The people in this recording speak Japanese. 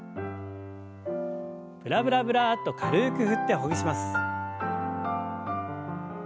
ブラブラブラッと軽く振ってほぐします。